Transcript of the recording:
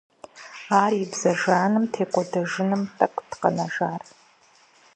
Ар и бзэ жаным текӀуэдэжыным тӀэкӀут къэнэжар.